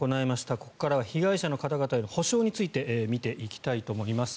ここからは被害者の方々への補償について見ていきたいと思います。